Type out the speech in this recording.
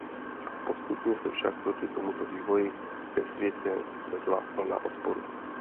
Postupně se však proti tomuto vývoji ve světě zvedla vlna odporu.